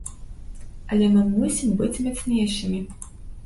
Але мы мусім быць мацнейшымі.